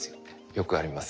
よくあります。